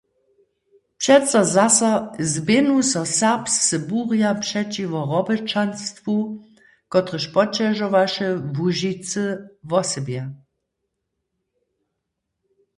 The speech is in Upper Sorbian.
Přeco zaso zběhnu so serbscy burja přećiwo roboćanstwu, kotrež poćežowaše Łužicy wosebje.